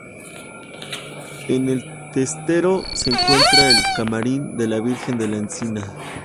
En el testero se encuentra el camarín de la Virgen de La Encina.